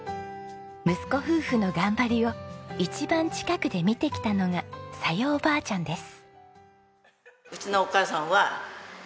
息子夫婦の頑張りを一番近くで見てきたのが小夜おばあちゃんです。